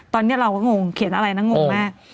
ตอนนี้เราก็งงเขียนอะไรนะงงมาก